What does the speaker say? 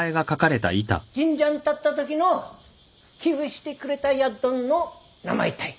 神社ん建ったときの寄付してくれたやっどんの名前たい。